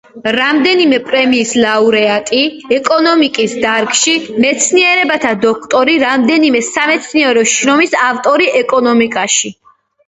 რამდენიმე პრემიის ლაურეატი ეკონომიკის დარგში, მეცნიერებათა დოქტორი, რამდენიმე სამეცნიერო შრომის ავტორი ეკონომიკაში.